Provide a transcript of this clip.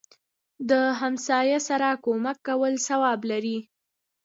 دهمسایه سره کومک کول ثواب لري